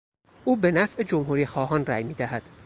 او به نفع جمهوریخواهان رای میدهد.